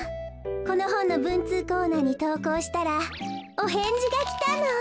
このほんのぶんつうコーナーにとうこうしたらおへんじがきたの。